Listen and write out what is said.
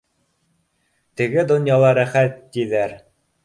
— Теге донъяла рәхәт, тиҙәр.